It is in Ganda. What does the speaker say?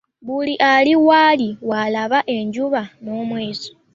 Buli ali w'ali w'alabira enjuba n'omwezi.